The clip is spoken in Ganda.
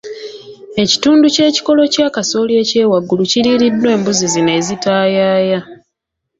Ekitundu ky'ekikolo kya kasooli eky'ewaggulu kiriiriddwa embuzi zino ezitaayaaya.